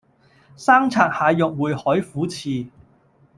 生拆蟹肉燴海虎翅